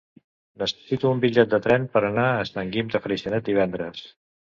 Necessito un bitllet de tren per anar a Sant Guim de Freixenet divendres.